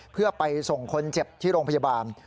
เพื่อไปส่งคนเจ็บที่โรงพยาบาล